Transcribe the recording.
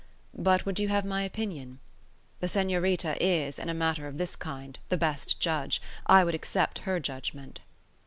But would you have my opinion? The Senorita is, in a matter of this kind, the best judge; I would accept her judgment."